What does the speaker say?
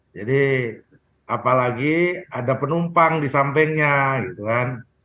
jadi apalagi ada penumpang di sampingnya gitu kan